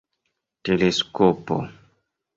teleskopo